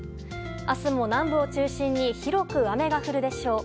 明日も南部を中心に広く雨が降るでしょう。